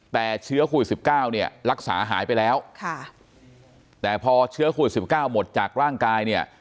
แต่เชื้อโควิด๑๙เนี่ยรักษาหายไปแล้วค่ะแต่พอเชื้อโควิด๑๙หมดจากร่างกายเนี่ย